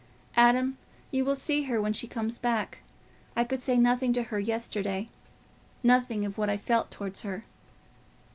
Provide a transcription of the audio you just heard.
Adam, you will see her when she comes back. I could say nothing to her yesterday—nothing of what I felt towards her.